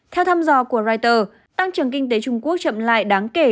theo thăm dò của reuters tăng trưởng kinh tế trung quốc chậm lại đáng kể